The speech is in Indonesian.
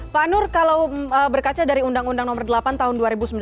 pak nur kalau berkaca dari undang undang nomor delapan tahun dua ribu sembilan belas